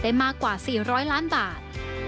มากกว่า๔๐๐ล้านบาท